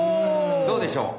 どうでしょう？